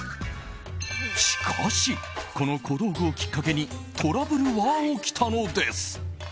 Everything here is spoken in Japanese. しかし、この小道具をきっかけにトラブルは起きたのです。